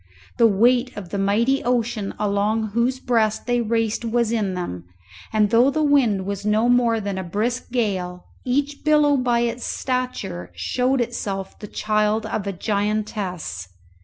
The weight of the mighty ocean along whose breast they raced was in them, and though the wind was no more than a brisk gale, each billow by its stature showed itself the child of a giantess.